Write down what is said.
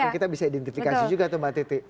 kita bisa identifikasi juga tuh mbak titi